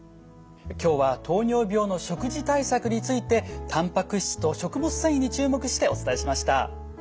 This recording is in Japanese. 今日は糖尿病の食事対策についてたんぱく質と食物繊維に注目してお伝えしました。